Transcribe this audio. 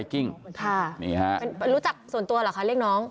รู้จักส่วนตัวหรอค่ะเรียกน้อง